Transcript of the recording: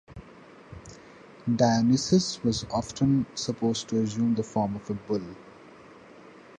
Dionysus was often supposed to assume the form of a bull.